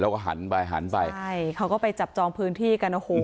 แล้วก็หันไปหันไปใช่เขาก็ไปจับจองพื้นที่กันโอ้โห